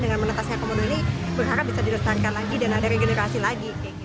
dengan menetasnya komodo ini berharap bisa dilestarikan lagi dan ada regenerasi lagi